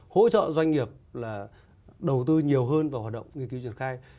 hỗ trợ doanh nghiệp là đầu tư nhiều hơn vào hoạt động nghiên cứu triển khai